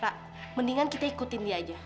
mendingan kita ikutin dia aja